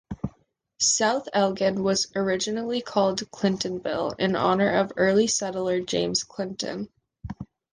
South Elgin was originally called Clintonville, in honor of early settler James Clinton.